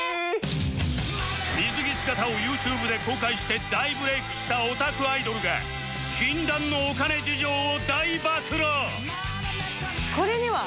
水着姿を ＹｏｕＴｕｂｅ で公開して大ブレイクしたオタクアイドルが禁断のお金事情を大暴露